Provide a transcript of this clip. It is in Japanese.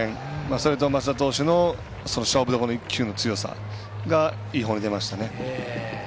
それと増田投手のその勝負球の一球の強さがいい方に出ましたね。